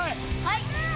はい！